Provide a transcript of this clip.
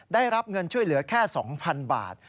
ได้รับเงินช่วยเหลือแค่๒๐๐๐บาท